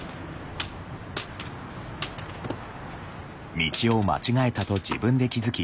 道を間違えたと自分で気付き